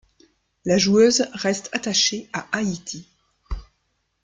La joueuse reste attachée à Haïti.